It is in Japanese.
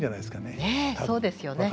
ねえそうですよね。